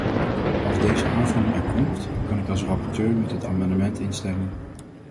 Als deze aanvulling er komt kan ik als rapporteur met het amendement instemmen.